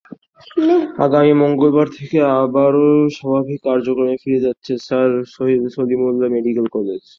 আগামী মঙ্গলবার থেকে আবারও স্বাভাবিক কার্যক্রমে ফিরে যাচ্ছে স্যার সলিমুল্লাহ মেডিকেল কলেজ।